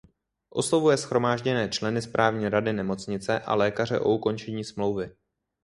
Oslovuje shromážděné členy správní rady nemocnice a lékaře o ukončení smlouvy.